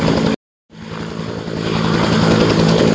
และที่สุดท้ายและที่สุดท้าย